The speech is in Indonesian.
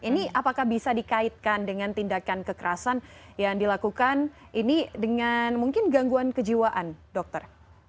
ini apakah bisa dikaitkan dengan tindakan kekerasan yang dilakukan ini dengan mungkin gangguan kejiwaan dokter